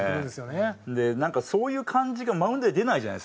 でなんかそういう感じがマウンドで出ないじゃないですか。